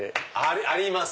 あります！